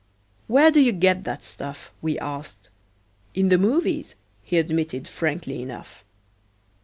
"Where do you get that stuff?" we asked. "In the movies," he admitted frankly enough.